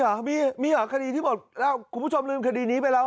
เหรอมีมีเหรอคดีที่หมดแล้วคุณผู้ชมลืมคดีนี้ไปแล้ว